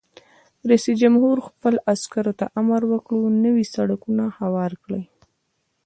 رئیس جمهور خپلو عسکرو ته امر وکړ؛ نوي سړکونه هوار کړئ!